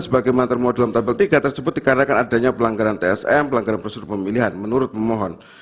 seperti yang termohon dalam tabel tiga tersebut dikarenakan adanya pelanggaran tsm pelanggaran presidun pemilihan menurut memohon